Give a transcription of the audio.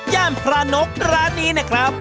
ย่านพระนกร้านนี้นะครับ